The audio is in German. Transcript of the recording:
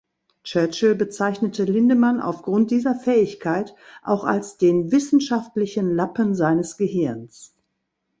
Churchill bezeichnete Lindemann aufgrund dieser Fähigkeit auch als den „wissenschaftlichen Lappen seines Gehirns“.